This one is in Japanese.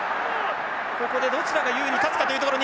ここでどちらが優位に立つかというところ。